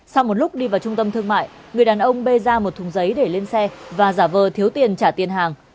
sau một lúc đi vào trung tâm thương mại người đàn ông bê ra một thùng giấy để lên xe và giả vờ thiếu tiền trả tiền hàng